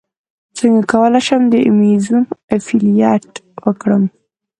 څنګه کولی شم د ایمیزون افیلیټ وکړم